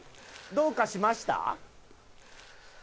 「どうかしました？」